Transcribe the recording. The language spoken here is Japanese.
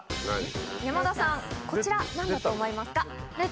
山田さんこちら何だと思いますか？